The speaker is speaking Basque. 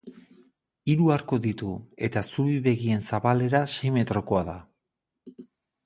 Hiru arku ditu, eta zubi begien zabalera sei metrokoa da.